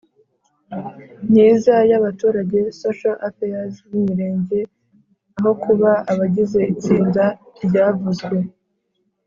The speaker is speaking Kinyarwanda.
myiza y abaturage social affairs b Imirenge aho kuba abagize itsinda ryavuzwe